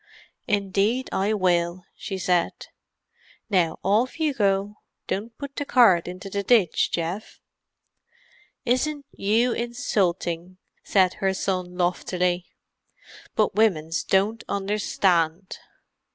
"Indeed I will," she said. "Now, off you go. Don't put the cart into the ditch, Geoff!" "Isn't you insulting," said her son loftily. "But womens don't understand!"